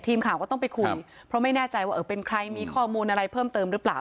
ทีมข่าวก็ต้องไปคุยเพราะไม่แน่ใจว่าเออเป็นใครมีข้อมูลอะไรเพิ่มเติมหรือเปล่า